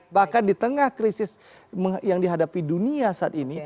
bahkan di tengah krisis yang dihadapi dunia saat ini